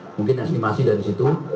mungkin estimasi dari situ